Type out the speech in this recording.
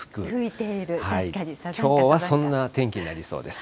きょうはそんな天気になりそうです。